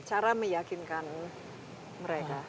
cara meyakinkan mereka